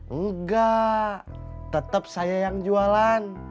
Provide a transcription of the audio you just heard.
enggak tetap saya yang jualan